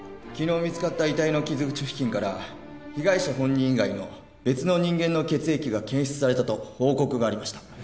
昨日見つかった遺体の傷口付近から被害者本人以外の別の人間の血液が検出されたと報告がありました。